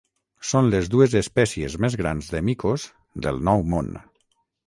Són les dues espècies més grans de micos del Nou Món.